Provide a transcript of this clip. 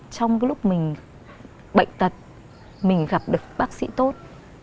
trong lúc mình bệnh tật mình gặp được bác sĩ tốt